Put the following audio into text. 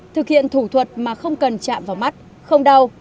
thực hiện thủ thuật mà không cần chạm vào mắt không đau